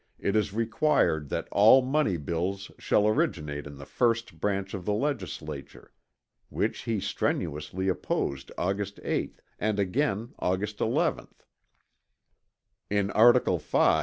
it is required that all money bills shall originate in the first Branch of the Legislature; which he strenuously opposed Aug: 8, and again, Aug: 11. In Art: V.